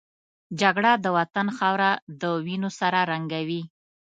جګړه د وطن خاوره د وینو سره رنګوي